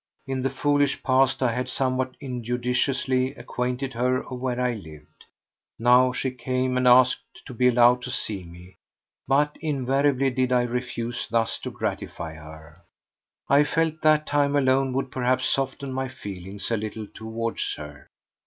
In the foolish past I had somewhat injudiciously acquainted her of where I lived. Now she came and asked to be allowed to see me, but invariably did I refuse thus to gratify her. I felt that time alone would perhaps soften my feelings a little towards her.